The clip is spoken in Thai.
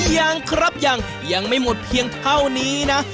ยังครับยังยังไม่หมดเพียงเท่านี้นะ